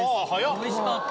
おいしかった。